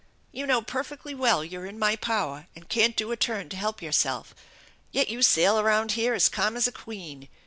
You know perfectly well you're in my power and can't do a turn to help yourself, yet you sail around here as calm as a queen